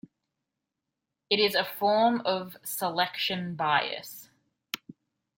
It is a form of selection bias.